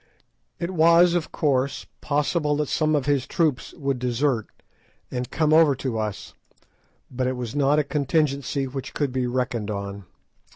It was, of course, possible that some of his troops would desert and come over to us, but it was not a contingency which could be reckoned on.